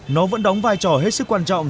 nó vẫn đóng vai trò hết sức quan trọng